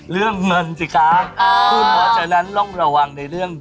เรื่องเงินสิคะคุณหมอฉะนั้นร่วงระวังในเรื่อง